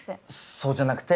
そうじゃなくて。